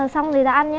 xong thì ra ăn nhá